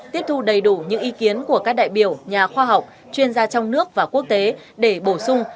tiết thu đầy đủ những ý kiến của các đại biểu nhà khoa học chuyên gia trong nước và quốc tế để bổ sung